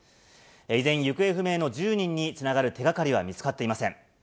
依然、行方不明の１０人につながる手がかりは見つかっていません。